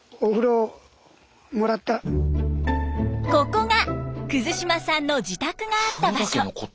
ここが島さんの自宅があった場所。